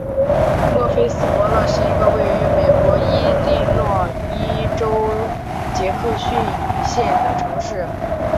莫菲斯伯勒是一个位于美国伊利诺伊州杰克逊县的城市。